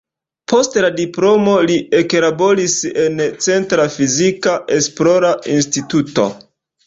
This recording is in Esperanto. Post la diplomo li eklaboris en "Centra Fizika Esplora Instituto".